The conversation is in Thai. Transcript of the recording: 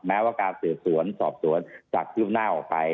แม้ว่าการสืบสวนสอบสวนจะคืบหน้าออกไป